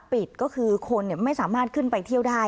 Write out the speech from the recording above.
ปิดก็คือคนไม่สามารถขึ้นไปเที่ยวได้